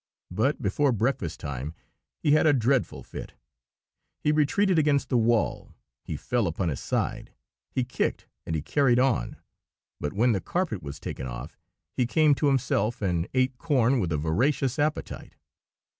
But before breakfast time he had a dreadful fit. He retreated against the wall, he fell upon his side, he kicked, and he "carried on"; but when the carpet was taken off he came to himself, and ate corn with a voracious appetite.